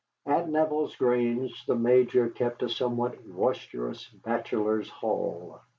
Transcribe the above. At Neville's Grange the Major kept a somewhat roisterous bachelor's hall.